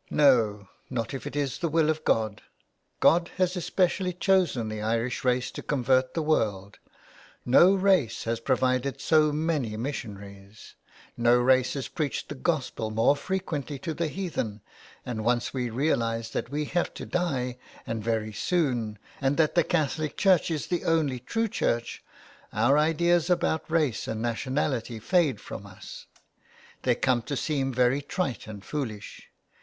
'* No, not if it is the will of God. God has specially chosen the Irish race to convert the world, no race has provided so many missionaries, no race has preached the gospel more frequently to the heathen and once we realize that we have to die, and very soon, and that the Catholic Church is the only true church, our ideas about race and nationality fade from us. They come to seem very trite and foolish.